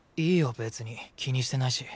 別に気にしてないし。